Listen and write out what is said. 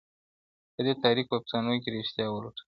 په دې تاریکو افسانو کي ریشتیا ولټوو!